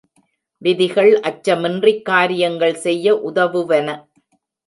விதிகள் அச்சமின்றிக் காரியங்கள் செய்ய உதவுவன.